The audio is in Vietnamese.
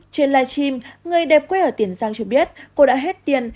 trên live stream người đẹp quê ở tiền giang cho biết cô đã hết tiền